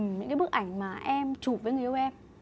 những cái bức ảnh mà em chụp với người yêu em